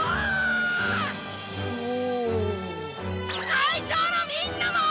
会場のみんなも！